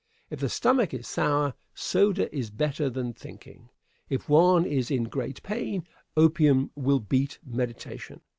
If the stomach is sour, soda is better than thinking. If one is in great pain, opium will beat meditation.